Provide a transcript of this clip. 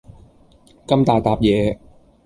咁大疊嘢